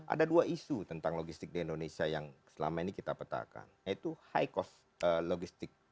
ada dua isu tentang logistik di indonesia yang selama ini kita petakan yaitu high cost logistik